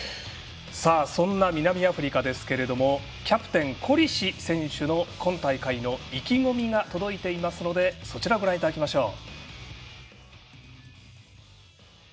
そんな南アフリカですけれどもキャプテン、コリシ選手の今大会の意気込みが届いていますのでそちらをご覧いただきましょう。